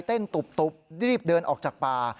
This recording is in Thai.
ตุบรีบเดินออกจากป่า